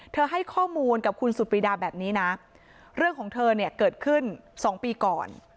ให้ข้อมูลกับคุณสุดปรีดาแบบนี้นะเรื่องของเธอเนี่ยเกิดขึ้น๒ปีก่อน